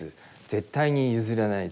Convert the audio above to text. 絶対に譲らない。